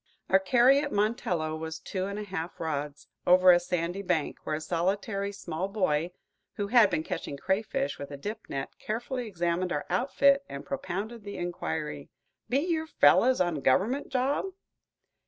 Our carry at Montello was two and a half rods, over a sandy bank, where a solitary small boy, who had been catching crayfish with a dip net, carefully examined our outfit and propounded the inquiry, "Be you fellers on the guv'ment job?"